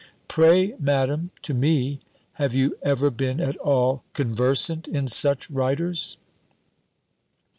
Pray, Madam" (to me), "have you ever been at all conversant in such writers?"